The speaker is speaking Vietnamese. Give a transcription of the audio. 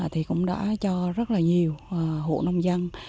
thì cũng đã cho rất nhiều hộ nông dân